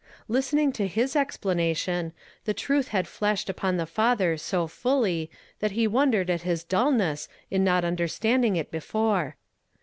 Listening to his explanation, the truth had flashed upon the father so fully that he wondered at his dulness in not undei standing it before.